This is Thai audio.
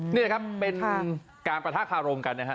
นี่นะครับเป็นการปะทะคารมกันนะฮะ